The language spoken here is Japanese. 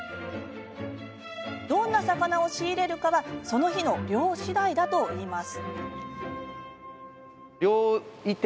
どんな魚を仕入れるかはその日の漁次第だといいます。